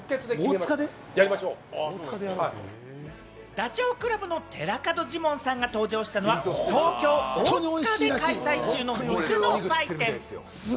ダチョウ倶楽部の寺門ジモンさんが登場したのは、東京・大塚で開催中の肉の祭典。